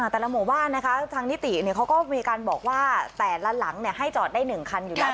แต่ละหมู่บ้านนะคะทางนิติเขาก็มีการบอกว่าแต่ละหลังให้จอดได้๑คันอยู่แล้ว